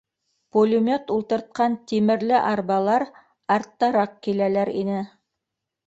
Пулемет ултыртҡан тимерле арбалар арттараҡ киләләр ине.